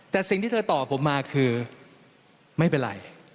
แต่สิ่งที่เธอตอบผมมาคือไม่เป็นไร